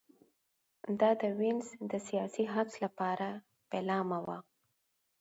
دا د وینز د سیاسي حبس لپاره پیلامه وه